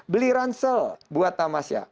beli ransel buat tamas ya